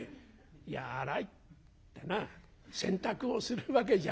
「いや『あらい』ってな洗濯をするわけじゃない。